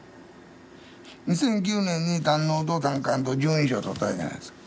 ２００９年に胆のうと胆管と十二指腸を取ったじゃないですか。